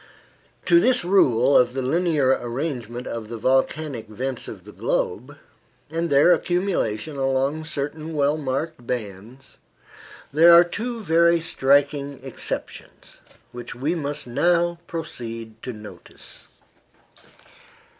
To this rule of the linear arrangement of the volcanic vents of the globe, and their accumulation along certain well marked bands, there are two very striking exceptions, which we must now proceed to notice.